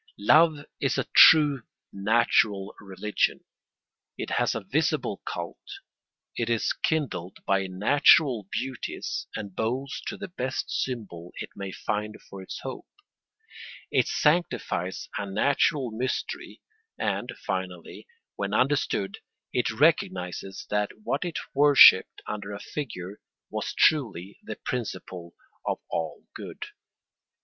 Love is a true natural religion; it has a visible cult, it is kindled by natural beauties and bows to the best symbol it may find for its hope; it sanctifies a natural mystery; and, finally, when understood, it recognises that what it worshipped under a figure was truly the principle of all good.